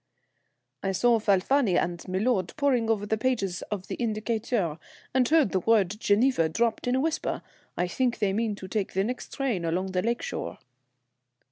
"I saw Falfani and milord poring over the pages of the Indicateur, and heard the word Geneva dropped in a whisper. I think they mean to take the next train along the lake shore."